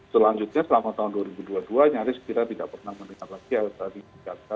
selanjutnya selama tahun dua ribu dua puluh dua nyaris kita tidak pernah mendengar lagi